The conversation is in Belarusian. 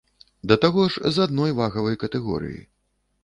Да таго ж з адной вагавай катэгорыі.